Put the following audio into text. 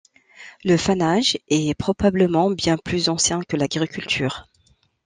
Le fanage est probablement bien plus ancien que l'agriculture.